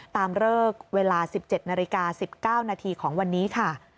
เลิกเวลา๑๗นาฬิกา๑๙นาทีของวันนี้ค่ะ